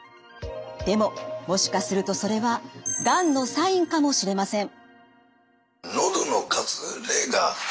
でももしかするとそれはがんのサインかもしれません。